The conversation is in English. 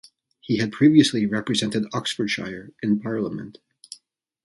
He had previously represented Oxfordshire in Parliament.